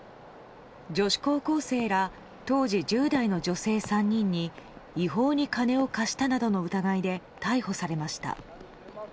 女子高校生ら当時１０代の女性３人に違法に金を貸したなどの疑いで逮捕されました。